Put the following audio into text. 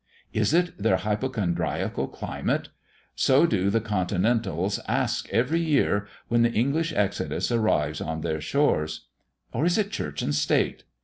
Is it their hypochondriacal climate? So do the continentals ask every year, when the English exodus arrives on their shores. Or is it Church and State?